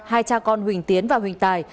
hai cha con huỳnh tiến và huỳnh tài